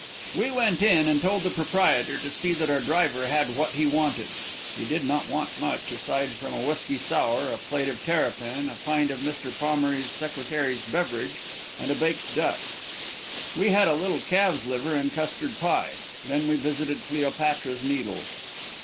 We went in and told the proprietor to see that our driver had what he wanted. He did not want much, aside from a whisky sour, a plate of terrapin, a pint of Mr. Pommery's secretary's beverage, and a baked duck. We had a little calves' liver and custard pie. Then we visited Cleopatra's Needle.